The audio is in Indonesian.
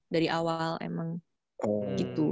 dari awal emang gitu